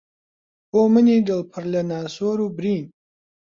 بۆ منی دڵ پڕ لە ناسۆر و برین